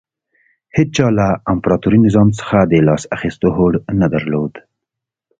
هېچا له امپراتوري نظام څخه د لاس اخیستو هوډ نه درلود